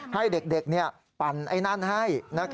ให้เด็กปั่นไอ้นั่นให้